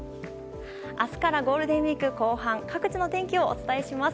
明日からゴールデンウィーク後半各地の天気をお伝えします。